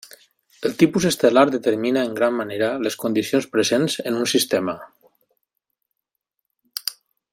El tipus estel·lar determina en gran manera les condicions presents en un sistema.